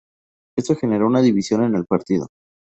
Esto genero una división en el partido.